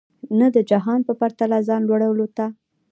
نه د جهان په پرتله ځان لوړولو ته.